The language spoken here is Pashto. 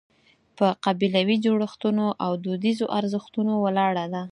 په قبیلوي جوړښتونو او دودیزو ارزښتونو ولاړه ده.